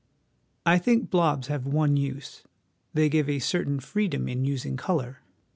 I think blobs have one use they give a certain freedom in using colour.